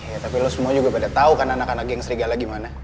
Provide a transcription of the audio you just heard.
ya tapi lo semua juga pada tau kan anak anak yang serigala gimana